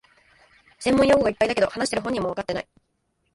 専門用語がいっぱいだけど、話してる本人もわかってない